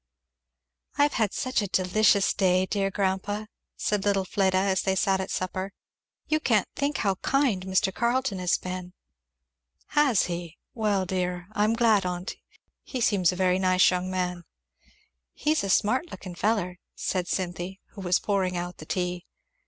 "I've had such a delicious day, dear grandpa," said little Fleda as they sat at supper; "you can't think how kind Mr. Carleton has been." "Has he? Well dear I'm glad on't, he seems a very nice young man." "He's a smart lookin' feller," said Cynthy, who was pouring out the tea.